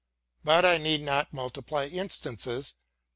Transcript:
But I need not multiply instances.